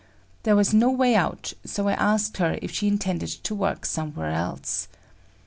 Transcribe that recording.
There was no way out, so I asked her if she intended to work somewhere else.